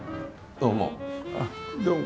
どうも。